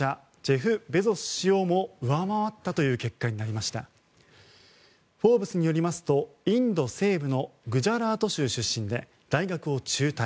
「フォーブス」によりますとインド西部のグジャラート州出身で大学を中退。